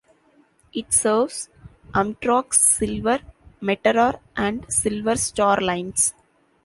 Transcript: It serves Amtrak's "Silver Meteor" and "Silver Star" lines.